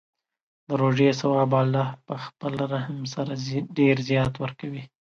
د روژې ثواب الله په خپل رحم سره ډېر زیات ورکوي.